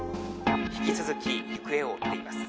「引き続き行方を追っています」。